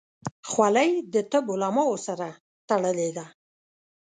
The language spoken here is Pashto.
خولۍ د طب علماو سره تړلې ده.